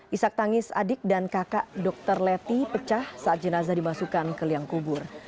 isak tangis adik dan kakak dr leti pecah saat jenazah dimasukkan ke liang kubur